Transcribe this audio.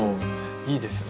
いいですね